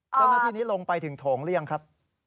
เจ้าหน้าที่นี้ลงไปถึงโถงหรือยังครับ